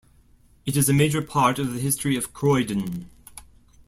It is a major part of the history of Croydon.